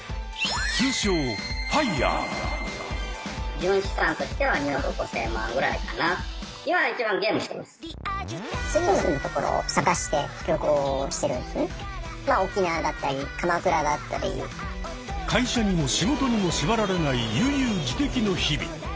通称会社にも仕事にも縛られない悠々自適の日々。